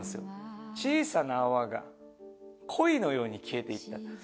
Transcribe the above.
「小さなアワが恋のように消えていった」